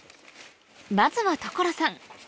まずは所さん